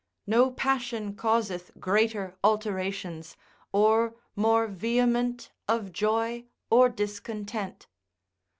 No passion causeth greater alterations, or more vehement of joy or discontent.